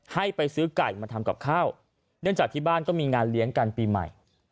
ให้ไปซื้อไก่มาทำกับข้าวเนื่องจากที่บ้านก็มีงานเลี้ยงกันปีใหม่